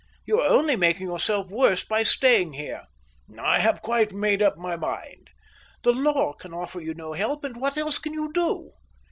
You are only making yourself worse by staying here." "I have quite made up my mind." "The law can offer you no help, and what else can you do?"